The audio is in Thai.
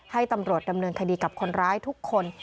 ให้ตำรวจดำเนินคดีกับคนร้ายทุกคน